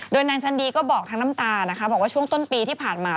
โดยนางชันดีก็บอกทั้งน้ำตานะคะบอกว่าช่วงต้นปีที่ผ่านมา